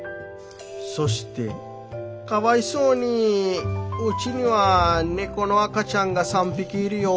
そして『かわいそうにうちには猫の赤ちゃんが３匹いるよ。